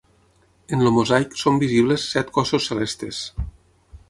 En el mosaic són visibles set cossos celestes.